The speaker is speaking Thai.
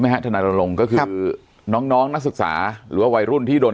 ไหมฮะทนายโรงก็คือน้องนักศึกษาหรือวัยรุ่นที่โดน